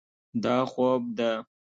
دا خوب ده.